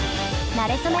なれそめ！